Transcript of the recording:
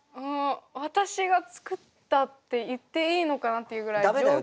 私が作ったって言っていいのかなっていうぐらい上級品。